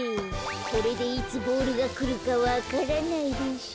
これでいつボールがくるかわからないでしょ。